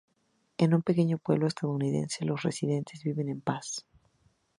En un pequeño pueblo estadounidense, los residentes viven en paz.